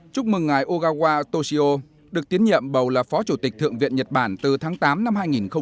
chúc mừng ngài ogawa toshio được tiến nhiệm bầu là phó chủ tịch thượng viện nhật bản từ tháng tám năm hai nghìn một mươi chín